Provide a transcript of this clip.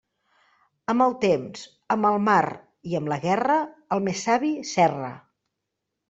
Amb el temps, amb el mar i amb la guerra, el més savi s'erra.